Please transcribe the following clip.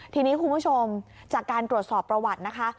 ทีนี้คุณผู้ชมจากการตรวจสอบประวัตินะคะ